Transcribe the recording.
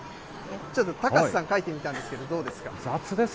ちょっと高瀬さん描いてみたんですけど、どうですか？